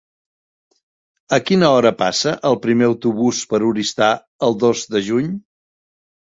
A quina hora passa el primer autobús per Oristà el dos de juny?